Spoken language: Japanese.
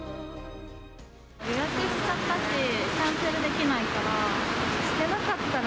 予約しちゃったし、キャンセルできないから。